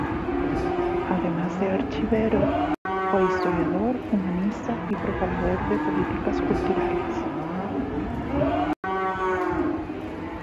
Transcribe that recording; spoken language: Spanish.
Además de archivero, fue historiador, humanista y propagador de políticas culturales.